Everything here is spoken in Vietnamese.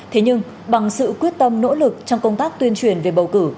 trong nỗ lực trong công tác tuyên truyền về bầu cử